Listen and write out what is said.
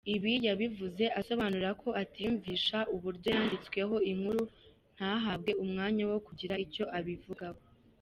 Ibi yabivuze asobanura ko atiyumvisha uburyo yanditsweho inkuru ntahabwe umwanya wo kugira icyo ayivugaho.